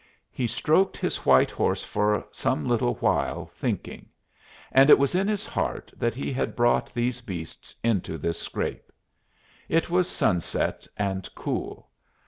He stroked his white horse for some little while, thinking; and it was in his heart that he had brought these beasts into this scrape. It was sunset and cool.